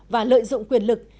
và lợi dụng quyền lực